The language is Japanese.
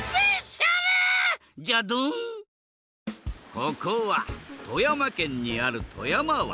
ここは富山県にある富山湾。